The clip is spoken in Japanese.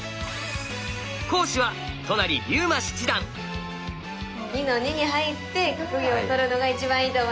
講師は２の二に入って角行を取るのが一番いいと思います。